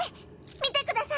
見てください！